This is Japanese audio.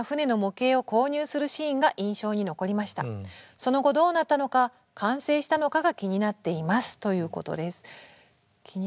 その後どうなったのか完成したのかが気になっています」ということです。